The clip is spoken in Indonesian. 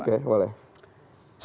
soal debat soal ini ya ya kan